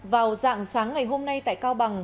vào dạng sáng ngày hôm nay tại cao bằng